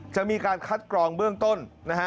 จะมีการคัดกรองเบื้องต้นนะฮะ